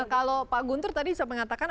kalau pak guntur tadi saya mengatakan